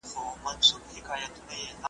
ستا تر کړکۍ لاندي به په سرو اوښکو کي غلی وي